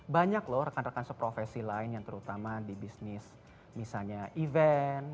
banyak loh rekan rekan seprofesi lain yang terutama di bisnis misalnya event